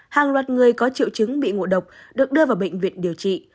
hàng loạt người có triệu chứng bị ngộ độc được đưa vào bệnh viện điều trị